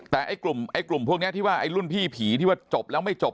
แต่กลุ่มพวกนี้ที่ว่ารุ่นพี่ผีที่ว่าจบแล้วไม่จบ